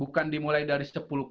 pandemi ini dimulai dari satu orang